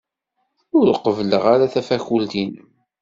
Ur qebbleɣ ara tafakult-nnem.